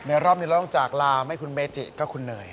รอบนี้เราต้องจากลาไม่คุณเมจิก็คุณเนย